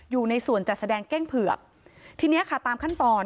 อยู่ในส่วนจัดแสดงเก้งเผือกทีเนี้ยค่ะตามขั้นตอน